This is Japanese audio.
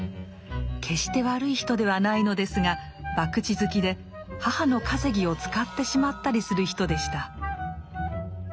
決して悪い人ではないのですが博打好きで母の稼ぎを使ってしまったりする人でした。